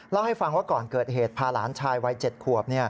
เล่าให้ฟังว่าก่อนเกิดเหตุพาหลานชายวัย๗ขวบ